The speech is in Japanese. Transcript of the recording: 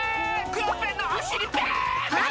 クヨッペンのおしりペンペン！